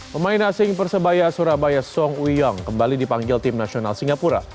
pemain asing persebaya surabaya song ui yong kembali dipanggil tim nasional singapura